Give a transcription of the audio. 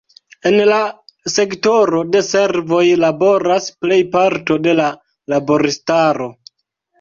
En la sektoro de servoj laboras plej parto de la laboristaro.